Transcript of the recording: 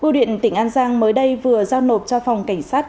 bưu điện tỉnh an giang mới đây vừa giao nộp cho phòng cảnh sát